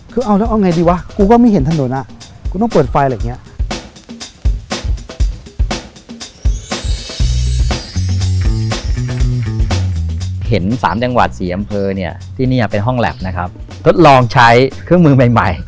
คือเอาแล้วเอาไงดีวะกูก็ไม่เห็นถนนอ่ะกูต้องเปิดไฟอะไรอย่างนี้